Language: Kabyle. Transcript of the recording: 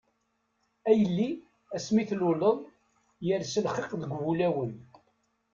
A yelli asmi tluleḍ, yers lxiq deg wulawen.